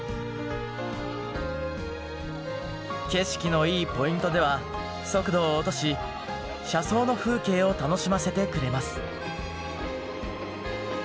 景色のいいポイントでは速度を落とし車窓の風景を楽しませてくれます。